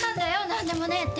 何でもねえって。